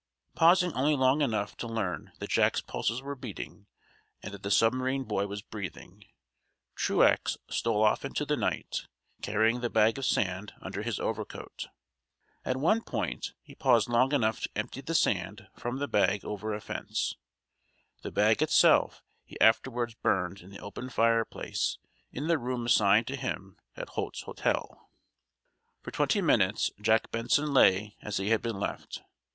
Pausing only long enough to learn that Jack's pulses were beating, and that the submarine boy was breathing, Truax stole off into the night, carrying the bag of sand under his overcoat. At one point he paused long enough to empty the sand from the bag over a fence. The bag itself he afterwards burned in the open fireplace in the room assigned to him at Holt's Hotel. For twenty minutes Jack Benson lay as he had been left.